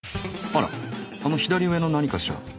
あらあの左上の何かしら？